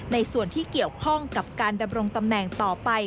ในส่วนที่เกี่ยวข้องกับการดำรงตำแหน่งต่อไป